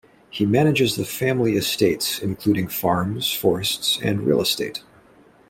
He manages the family estates including farms, forests and real estate.